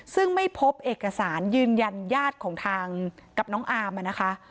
ซึ่งไม่พบเอกสารยืนยันญาติของทางกับน้องอามนะคะ